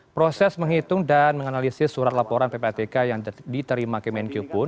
proses menghitung dan menganalisis surat laporan ppatk yang diterima kemenq pun